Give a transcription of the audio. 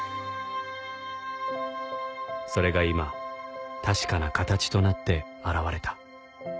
それが今確かな形となって現れた